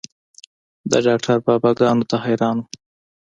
د ډاکتر بابا ګانو ته حيران وم.